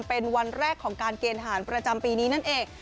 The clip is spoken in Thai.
เป็นวันแรกของการเกณฑ์ทหารประจำปีนี้นั่นเอง